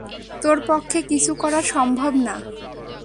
তোর পক্ষে কিছু করা সম্ভব না?